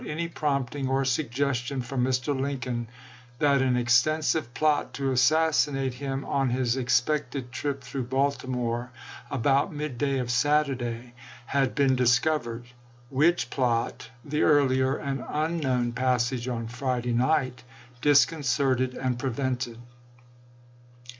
any prompting or suggestion from Mr. Lincoln) that an extensive plot to assassinate him on his expected trip through Baltimore about midday of Saturday had been discovered, which plot the earlier and unknown passage on Friday night dis concerted and prevented.